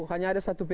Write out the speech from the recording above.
hanya ada satu p tiga